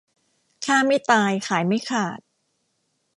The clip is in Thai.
ฆ่าไม่ตายขายไม่ขาด